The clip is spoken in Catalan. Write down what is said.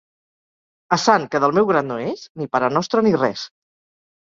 A sant que del meu grat no és, ni parenostre ni res.